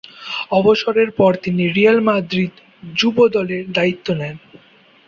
অবসরের পর তিনি রিয়াল মাদ্রিদ যুব দলের দায়িত্ব নেন।